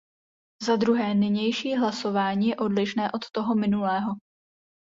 Zadruhé, nynější hlasování je odlišné od toho minulého.